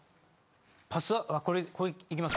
パスワこれこれいきます。